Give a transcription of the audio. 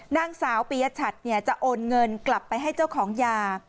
นางสาวปียชัดจะโอนเงินกลับไปให้เจ้าของยา